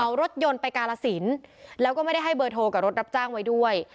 เอารถยนต์ไปกาลสินแล้วก็ไม่ได้ให้เบอร์โทรกับรถรับจ้างไว้ด้วย